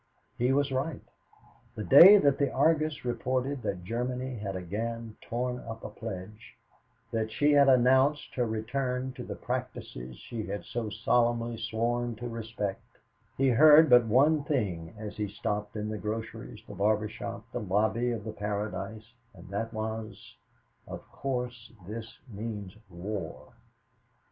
He was right. The day that the Argus reported that Germany had again torn up a pledge, that she had announced her return to the practices she had so solemnly sworn to respect, he heard but one thing as he stopped in the groceries, the barber shop, the lobby of the Paradise, and that was, "Of course this means war."